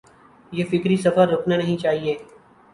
یہ فکری سفر رکنا نہیں چاہیے۔